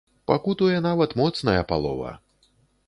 Пакутуе нават моцная палова!